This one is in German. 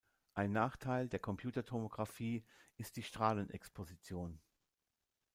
Ein Nachteil der Computertomographie ist die Strahlenexposition.